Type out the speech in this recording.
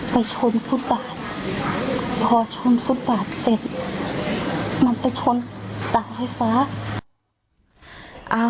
ไปชนฟุตบาทพอชนฟุตบาทเสร็จมันไปชนเสาไฟฟ้า